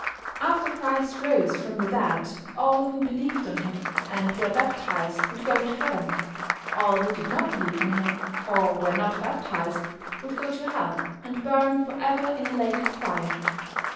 After Christ rose from the dead all who believed on Him and were baptised would go to Heaven. All who did not believe on Him, or were not baptised, would go to Hell, and burn for ever in a lake of fire.